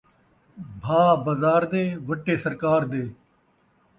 بھاء بزار دے ، وٹے سرکار دے